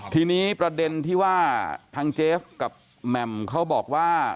ทีนี้ประเด็นที่ว่าทางเจฟกับแหม่มเขาบอกว่า